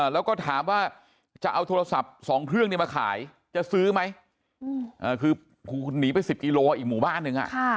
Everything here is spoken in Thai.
แล้วก็ถามว่าจะเอาโทรศัพท์๒เครื่องมาขายจะซื้อไหมคือหนีไป๑๐กิโลอีกหมู่บ้านหนึ่ง